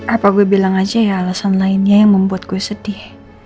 apa gue bilang aja ya alasan lainnya yang membuat gue sedih